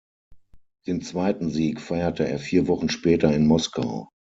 Den zweiten Sieg feierte er vier Wochen später in Moskau.